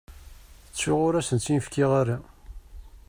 Ttuɣ ur as-tt-in-fkiɣ ara.